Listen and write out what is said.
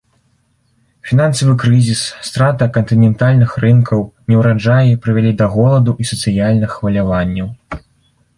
Фінансавы крызіс, страта кантынентальных рынкаў, неўраджаі прывялі да голаду і сацыяльных хваляванняў.